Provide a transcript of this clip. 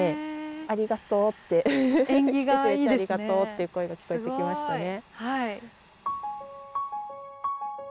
ありがとうって来てくれてありがとうっていう声が聞こえてきましたね。